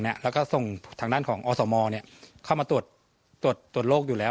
แล้วก็ส่งทางด้านของอสมเข้ามาตรวจโรคอยู่แล้ว